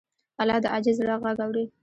الله د عاجز زړه غږ اوري.